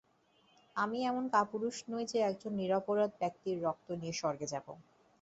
আমি এমন কাপুরুষ নই যে, একজন নিরপরাধ ব্যক্তির রক্ত নিয়ে স্বর্গে যাব।